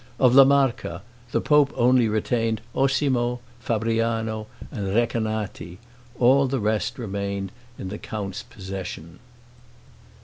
Of La Marca, the pope only retained Osimo, Fabriano, and Recanati; all the rest remained in the count's possession.